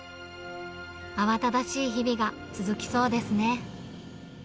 慌ただしい日々が続きそうですね。